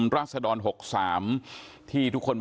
สวัสดีคุณผู้ชมครับสวัสดีคุณผู้ชมครับ